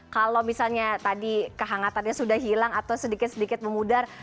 kalau misalnya tadi kehangatannya sudah hilang atau sedikit sedikit memudar